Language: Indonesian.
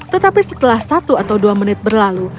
tetapi setelah satu atau dua menit berlalu